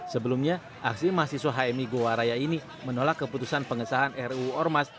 sebelumnya aksi mahasiswa hmi goa raya ini menolak keputusan pengesahan ruu ormas